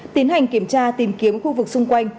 tiến hành kiểm tra tìm kiếm khu vực xung quanh